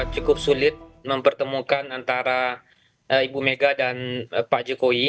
cukup sulit mempertemukan antara ibu mega dan pak jokowi